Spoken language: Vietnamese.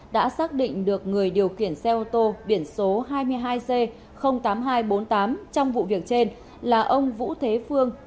đã xác định được người điều khiển xe ô tô biển số hai mươi hai c tám nghìn hai trăm bốn mươi tám trong vụ việc trên là ông vũ thế phương